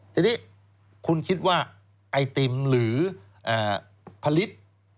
ทีนี้คุณคิดว่าไอติมหรือผลิต